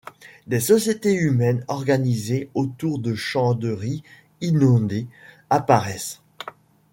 Des sociétés humaines organisées autour de champs de riz inondés apparaissent.